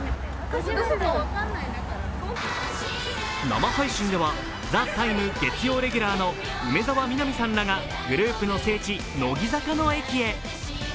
生配信では「ＴＨＥＴＩＭＥ，」月曜レギュラーの梅澤美波さんらがグループの聖地、乃木坂の駅へ。